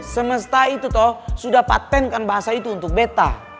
semesta itu toh sudah patenkan bahasa itu untuk betta